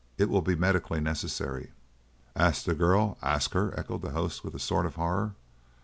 It will be medically necessary." "Ask the girl? Ask her?" echoed the host with a sort of horror.